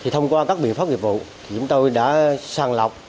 thông qua các biện pháp nghiệp vụ chúng tôi đã sàng lọc